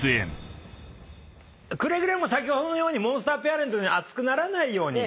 くれぐれも先ほどのモンスターペアレントのように熱くならないように。